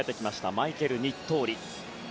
マイケル・ニットーリ。